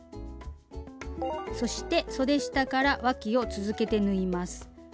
そしてそで下からわきを続けて縫います。